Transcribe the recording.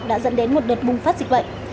đã dẫn đến một đợt bùng phát dịch bệnh